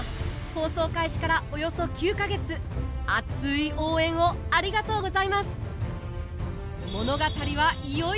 放送開始からおよそ９か月熱い応援をありがとうございます！